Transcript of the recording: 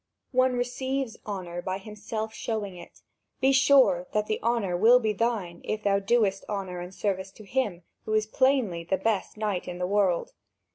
One receives honour by himself showing it; be sure that the honour will be thine, if thou doest honour and service to him who is plainly the best knight in the world."